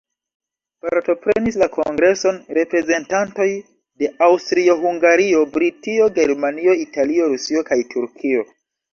Partoprenis la kongreson reprezentantoj de Aŭstrio-Hungario, Britio, Germanio, Italio, Rusio kaj Turkio.